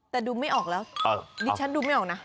แต่ดูไม่ออกแล้วดิฉันดูไม่ออกนะ